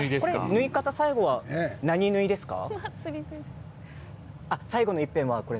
縫い方最後は何縫いですか？